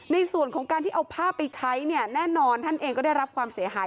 ในส่วนของการที่เอาภาพไปใช้เนี่ยแน่นอนท่านเองก็ได้รับความเสียหาย